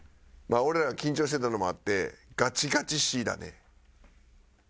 俺ら緊張してたのもあって「ガチガチＳＥＡだね」。